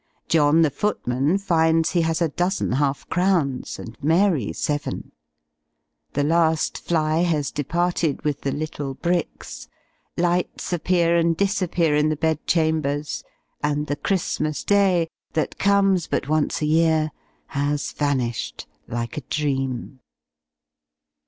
John, the footman, finds he has a dozen half crowns, and Mary seven. The last fly has departed with the little Bricks; lights appear and disappear in the bed chambers; and the Christmas day that comes but once a year has vanished, like a dream!